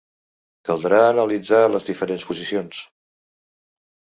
Caldrà analitzar les diferents posicions.